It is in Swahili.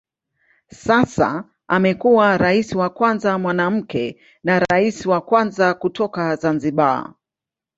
Sasa amekuwa rais wa kwanza mwanamke na rais wa kwanza kutoka Zanzibar.